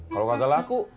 kalau kagak laku